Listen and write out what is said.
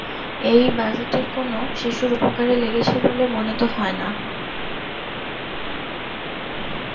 ওই বাজেট কোনো শিশুর উপকারে লেগেছে বলে মনে তো হয় না।